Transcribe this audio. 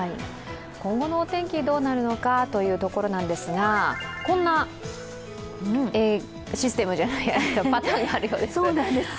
今後のお天気、どうなるのかというところなんですが、こんなパターンがあるようです。